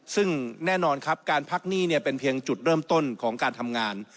ซึ่งแน่นอนครับการพักหนี้เนี่ยเป็นเพียงจุดเริ่มต้นของการทำงาน